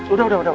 udah udah udah